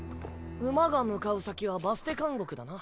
馬が向かう先はバステ監獄だな。